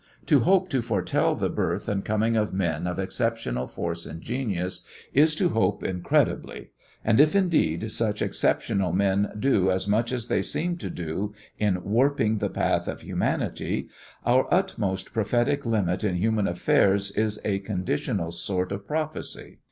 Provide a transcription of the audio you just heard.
To hope to foretell the birth and coming of men of exceptional force and genius is to hope incredibly, and if, indeed, such exceptional men do as much as they seem to do in warping the path of humanity, our utmost prophetic limit in human affairs is a conditional sort of prophecy.